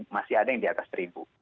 masih ada yang di atas seribu